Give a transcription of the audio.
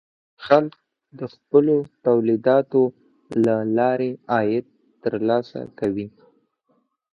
خلک د خپلو تولیداتو له لارې عاید ترلاسه کوي.